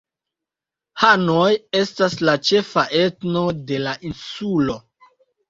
Hanoj estas la ĉefa etno de la insulo.